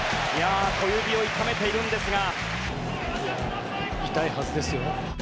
小指を痛めているんですが。